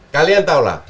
kalian tau lah